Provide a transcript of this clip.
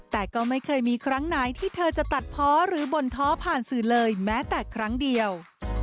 แต่ก็ไม่เคยมีครั้งไหนที่เธอจะตัดเพาะหรือบ่นท้อผ่านสื่อเลยแม้แต่ครั้งเดียว